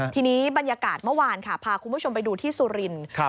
ทีนี้บรรยากาศเมื่อวานค่ะพาคุณผู้ชมไปดูที่สุรินทร์